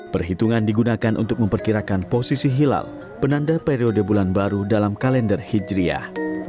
perhitungan digunakan untuk memperkirakan posisi hilal penanda periode bulan baru dalam kalender hijriah